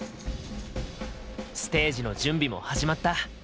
ステージの準備も始まった。